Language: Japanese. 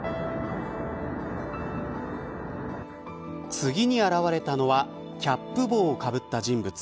次に現れたのはキャップ帽をかぶった人物。